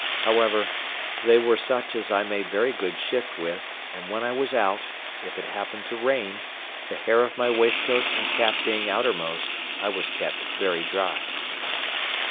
However, they were such as I made very good shift with, and when I was out, if it happened to rain, the hair of my waistcoat and cap being outermost, I was kept very dry.